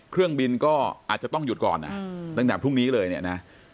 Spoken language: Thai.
เครื่องบินก็อาจจะต้องหยุดก่อนตั้งแต่พรุ่งนี้เลยเนี่ยนะ